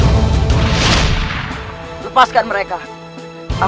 berarti perasanmu berbeda bukan